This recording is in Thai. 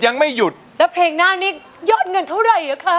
ยังไม่หยุดแล้วเพลงหน้านี้ยอดเงินเท่าไหร่อ่ะคะ